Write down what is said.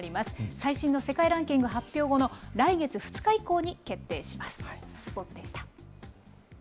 最新の世界ランキング発表後の来月２日以降に決定します。